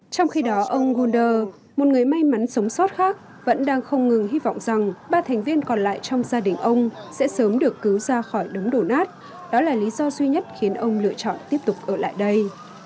trong khi đó ông gunder một người may mắn sống sót khác vẫn đang không ngừng hy vọng rằng ba thành viên còn lại trong gia đình ông sẽ sớm được cứu ra khỏi đống đổ nát đó là lý do duy nhất khiến ông lựa chọn tiếp tục ở lại đây